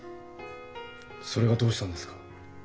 それがどうしたんですか？